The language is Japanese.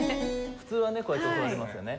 普通はねこうやって教わりますよね。